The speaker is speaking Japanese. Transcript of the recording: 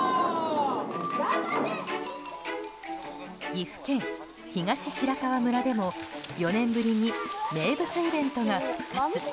岐阜県東白川村でも４年ぶりに名物イベントが復活。